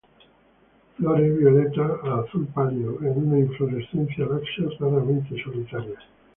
Flores violeta a azul pálido, en una inflorescencia laxa, raramente solitaria.